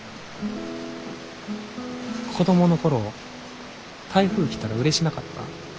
子供の頃台風来たらうれしなかった？